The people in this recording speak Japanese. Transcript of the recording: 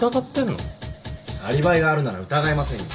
アリバイがあるなら疑いませんよ。